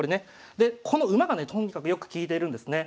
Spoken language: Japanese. でこの馬がねとにかくよく利いているんですね。